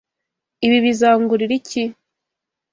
Ibi bizangurira iki?